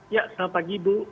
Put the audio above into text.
ya selamat pagi bu